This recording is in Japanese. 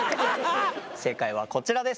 正解はこちらです。